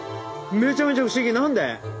めちゃめちゃ不思議何で？